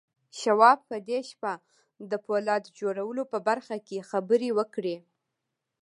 شواب په دې شپه د پولاد جوړولو په برخه کې خبرې وکړې.